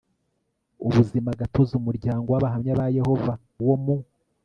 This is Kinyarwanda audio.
ubuzima gatozi umuryango w Abahamya ba Yehova wo mu